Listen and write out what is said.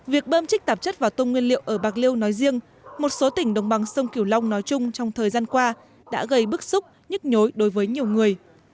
việc bơm chích tạp chất vào tôm nguyên liệu ở bạc liêu nói riêng một số tỉnh đồng bằng sông kiều long nói chung trong thời gian qua đã gây bức xúc nhức nhối đối với nhiều người